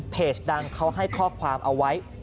ดังเขาให้ข้อความเอาไว้